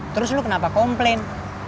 terus lo kenapa komplain